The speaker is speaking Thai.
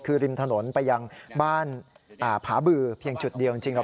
คือริมถนนไปยังบ้านผาบือเพียงจุดเดียวจริง